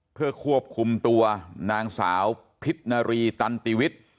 เพื่อควบคุมตัวนางสาวพิษนารีตันติวิทย์